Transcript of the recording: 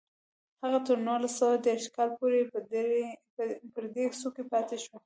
هغه تر نولس سوه دېرش کال پورې پر دې څوکۍ پاتې شو